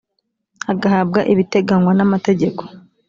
agahabwa ibiteganywa n amategeko